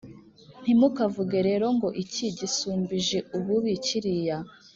Ntimukavuge rero ngo «Iki gisumbije ububi kiriya»,